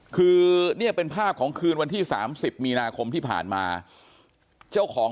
คือเนี่ยเป็นภาพของคืนวันที่๓๐มีนาคมที่ผ่านมาเจ้าของ